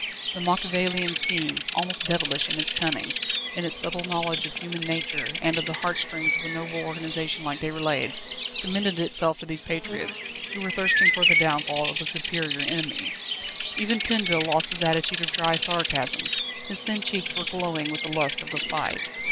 The Machiavelian scheme, almost devilish in its cunning, in its subtle knowledge of human nature and of the heart strings of a noble organisation like Déroulède's, commended itself to these patriots, who were thirsting for the downfall of a superior enemy. Even Tinville lost his attitude of dry sarcasm; his thin cheeks were glowing with the lust of the fight.